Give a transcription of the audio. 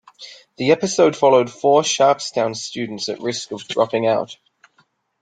The episode followed four Sharpstown students at risk of dropping out.